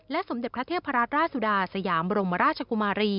สมเด็จพระเทพราชสุดาสยามบรมราชกุมารี